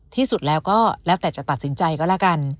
ที่สุดแล้วก็แล้วแต่จะตัดสินใจก็แล้วกัน